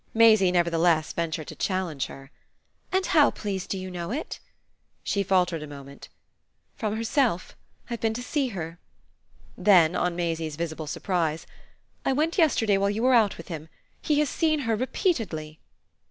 Maisie nevertheless ventured to challenge her. "And how, please, do you know it?" She faltered a moment. "From herself. I've been to see her." Then on Maisie's visible surprise: "I went yesterday while you were out with him. He has seen her repeatedly."